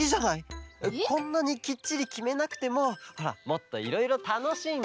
こんなにきっちりきめなくてもほらもっといろいろたのしんで。